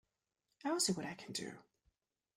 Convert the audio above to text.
I'll see what I can do.